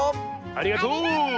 ありがとう！